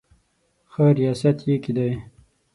ښه ریاست یې کېدی.